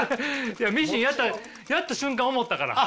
いやミシンやった瞬間思ったから。